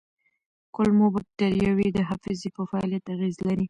کولمو بکتریاوې د حافظې په فعالیت اغېز لري.